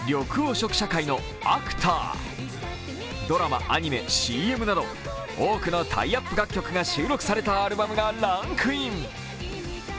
ドラマ、アニメ、ＣＭなど、多くのタイアップ楽曲が収録されたアルバムがランクイン。